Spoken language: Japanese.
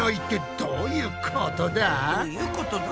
どういうことだ？